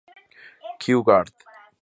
Kew Gard.